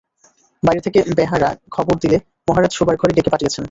বাইরে থেকে বেহারা খবর দিলে মহারাজ শোবার ঘরে ডেকে পাঠিয়েছেন।